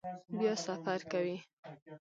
بیا سفر کوئ؟